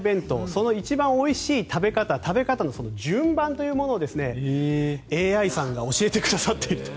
その一番おいしい食べ方食べ方の順番というものをＡＩさんが教えてくださっていると。